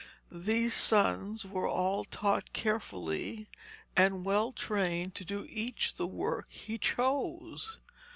These sons were all taught carefully and well trained to do each the work he chose.